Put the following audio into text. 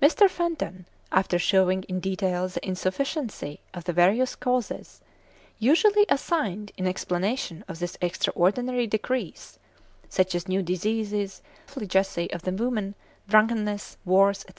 Mr. Fenton, after shewing in detail the insufficiency of the various causes, usually assigned in explanation of this extraordinary decrease, such as new diseases, the profligacy of the women, drunkenness, wars, etc.